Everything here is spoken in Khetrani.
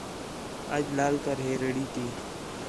اَڄّا لا کر ہے ریڑھی تی